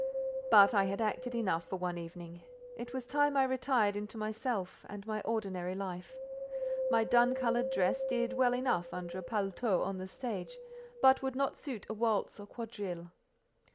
But I had acted enough for one evening; it was time I retired into myself and my ordinary life. My dun coloured dress did well enough under a paletôt on the stage, but would not suit a waltz or a quadrille.